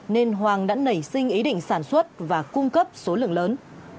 nên hoàng đã nảy sinh ý định sản xuất và cung cấp số lượng lớn